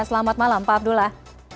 selamat malam pak abdullah